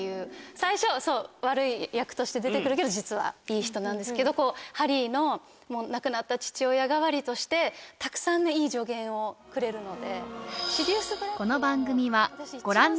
最初は悪い役として出て来るけど実はいい人なんですけどハリーの亡くなった父親代わりとしてたくさんいい助言をくれるので。